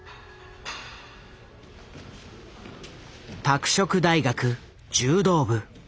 拓殖大学柔道部。